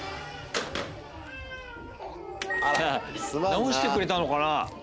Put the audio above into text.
直してくれたのかな？